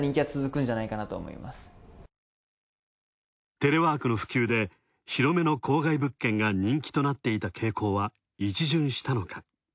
テレワークの普及で広めの郊外物件が人気となっていた傾向は一巡したのか。